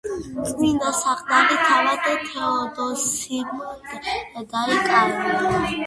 წმინდა საყდარი თავად თეოდოსიმ დაიკავა.